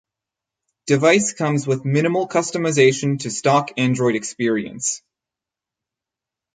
Device comes with minimal customization to stock Android experience.